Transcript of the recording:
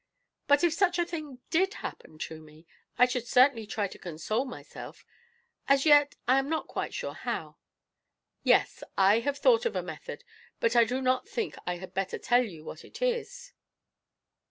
But if such a thing did happen to me, I should certainly try to console myself as yet I am not quite sure how yes, I have thought of a method, but I do not think I had better tell you what it is."